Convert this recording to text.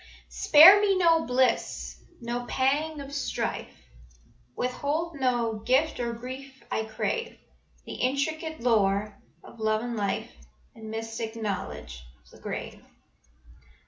"Spare me no bliss, no pang of strife, Withhold no gift or grief I crave, The intricate lore of love and life And mystic knowledge of the grave."